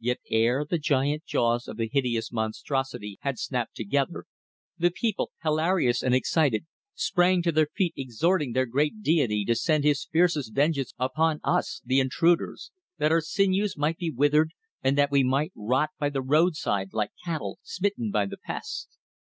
Yet, ere the giant jaws of the hideous monstrosity had snapped together, the people, hilarious and excited, sprang to their feet exhorting their great deity to send his fiercest vengeance upon us, the intruders, that our sinews might be withered and that we might rot by the road side like cattle smitten by the pest.